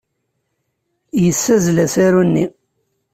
Yessazzel asaru-nni.